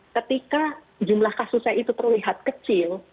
ketika jumlah kasusnya itu terlihat kecil